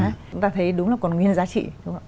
chúng ta thấy đúng là còn nguyên giá trị